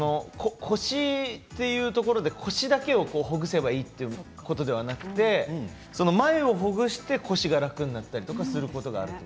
腰というところで腰だけをほぐせばいいということではなくて前をほぐして腰が楽になったりすることがあると。